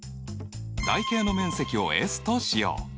台形の面積をＳとしよう。